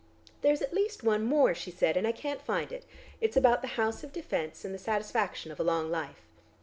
"There's at least one more," she said, "and I can't find it. It's about the House of Defence and the satisfaction of a long life."